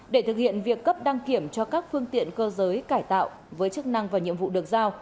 để thực hiện việc cấp đăng kiểm cho các phương tiện cơ giới cải tạo với chức năng và nhiệm vụ được giao